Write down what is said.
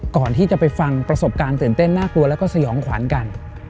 ก่อนที่จะไปฟังประสบการณ์ตื่นเต้นน่ากลัวแล้วก็สยองขวัญกัน